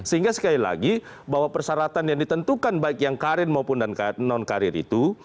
sehingga sekali lagi bahwa persyaratan yang ditentukan baik yang karir maupun non karir itu